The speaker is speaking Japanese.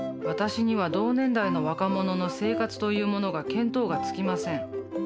私には同年代の若者の生活というものが見当がつきません。